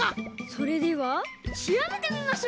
それではしらべてみましょう！